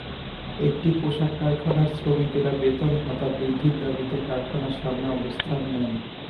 একটি পোশাক কারখানার শ্রমিকেরা বেতন-ভাতা বৃদ্ধির দাবিতে কারখানার সামনে অবস্থান নেন।